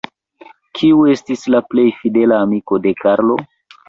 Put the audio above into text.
Kiu estis la plej fidela amiko de Karlo?